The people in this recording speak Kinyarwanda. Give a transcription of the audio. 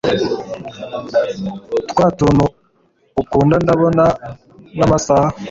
twatuntu ukunda ndabona namasaha